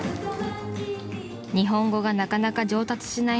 ［日本語がなかなか上達しない